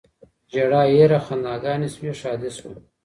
ژړا هېره خنداګاني سوی ښادي سوه